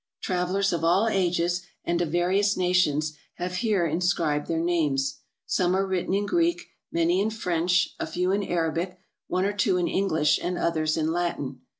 Travelers of all ages and of various nations have here in scribed their names. Some are written in Greek, many in French, a few in Arabic, one or two in English, and others in Latin.